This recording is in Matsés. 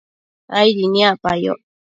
aidi niacpayoc